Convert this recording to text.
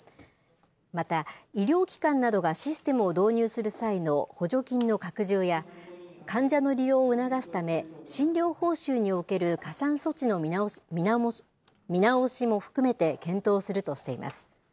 また、医療機関などがシステムを導入する際の補助金の拡充や、患者の利用を促すため、診療報酬における加算措置の見直しも含めて検討するとしています。